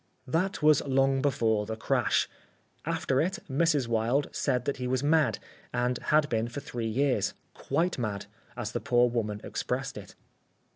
That was long before the crash. After it, Mrs. Wilde said that he was mad and had been for three years, "quite mad" as the poor woman expressed it.